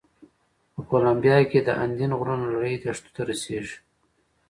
په کولمبیا کې د اندین غرونو لړۍ دښتو ته رسېږي.